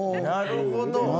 なるほど。